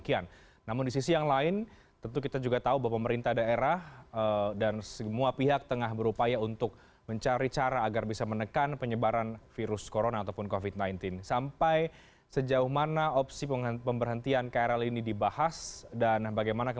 dalam hal ini angkutan kereta komuter di jabodetabek